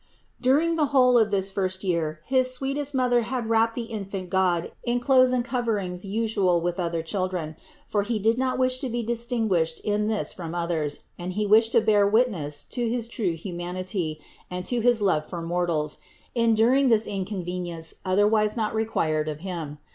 683. During the whole of this first year his sweetest Mother had wrapped the infant God in clothes and cover ings usual with other children; for He did not wish to be distinguished in this from others, and He wished to THE INCARNATION 585 bear witness to his true humanity and to his love for mortals, enduring this inconvenience otherwise not re quired of Him.